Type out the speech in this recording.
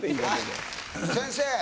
先生！